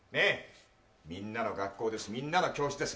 みんなの学校です、みんなの教室です